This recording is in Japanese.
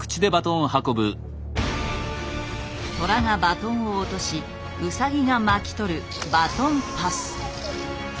トラがバトンを落としウサギが巻き取るバトンパス。